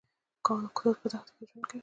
کاکتوس په دښته کې ژوند کوي